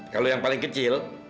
kalau yang paling kecil